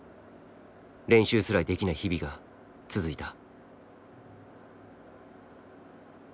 練習すらできない日々が続いた。